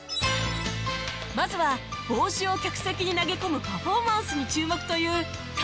まずは帽子を客席に投げ込むパフォーマンスに注目という『勝手にしやがれ』